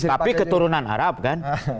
tapi keturunan arab kan